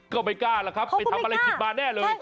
ก็ไม่กล้าล่ะครับไปทำอะไรผิดมาแน่เลย